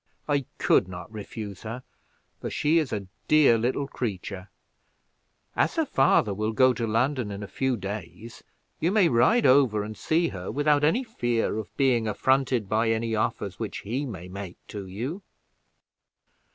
I could not refuse her, for she is a dear little creature; as her father will go to London in a few days, you may ride over and see her without any fear of being affronted by any offers which he may make to you."